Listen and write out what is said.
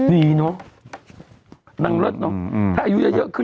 นี่เนอะนางเล่นถ้าอายุได้เยอะ